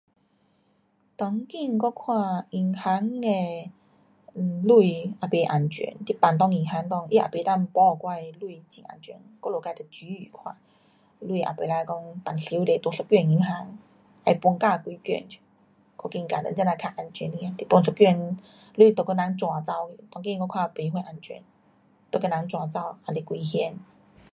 当今我看银行的钱也不安全。你放内银行内，你也不能保那些钱很安全。我们自得注意看，钱也不能讲放太多在一间银行，会分多几间。我觉得这这样较安全一点，不一间钱就给人转走，当今我看没什安全。都给人转走，还是危险。